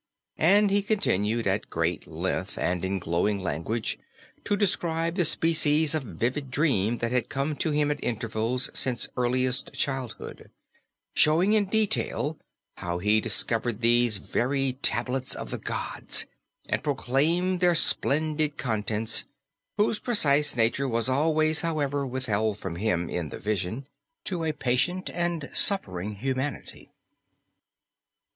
And he continued at great length and in glowing language to describe the species of vivid dream that had come to him at intervals since earliest childhood, showing in detail how he discovered these very Tablets of the Gods, and proclaimed their splendid contents whose precise nature was always, however, withheld from him in the vision to a patient and suffering humanity.